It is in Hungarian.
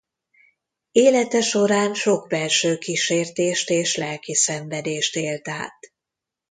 Élete során sok belső kísértést és lelki szenvedést élt át.